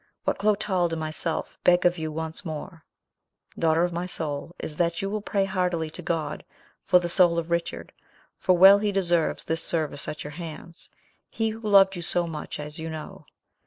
What Clotald and myself beg of you once more, daughter of my soul, is that you will pray heartily to God for the soul of Richard, for well he deserves this service at your hands, he who loved you so much as you know.